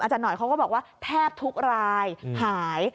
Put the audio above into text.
หน่อยเขาก็บอกว่าแทบทุกรายหาย